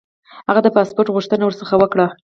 هغه د پاسپوټ غوښتنه ورڅخه وکړه.